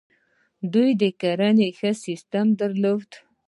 دوی د کرنې ښه سیستم درلود